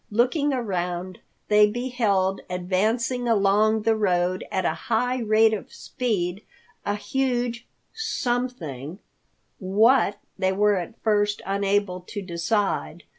Looking around, they beheld advancing along the road at a high rate of speed a huge something—what they were at first unable to decide.